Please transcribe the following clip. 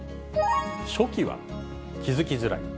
初期は気付きづらい。